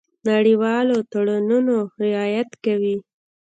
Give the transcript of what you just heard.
د نړیوالو تړونونو رعایت کوي.